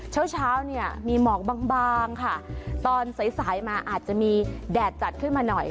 เช้าเนี่ยมีเหมาะบางค่ะตอนสายมาอาจจะมีแดดจัดขึ้นมาหน่อย